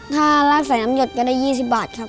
ถ้าราดใส่น้ำหยดก็ได้๒๐บาทครับ